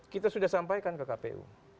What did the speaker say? kita sampaikan ke kpu